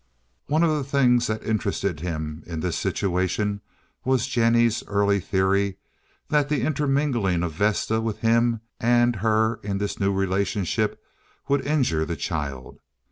One of the things that interested him in this situation was Jennie's early theory that the intermingling of Vesta with him and her in this new relationship would injure the child.